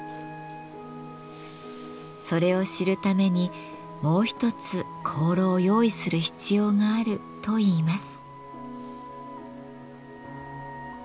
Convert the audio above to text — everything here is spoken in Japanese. それを知るためにもう一つ香炉を用意する必要があるといいます。